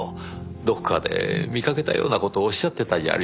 どこかで見かけたような事をおっしゃってたじゃありませんか。